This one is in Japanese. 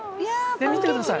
見てください。